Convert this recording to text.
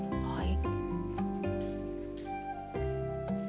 はい。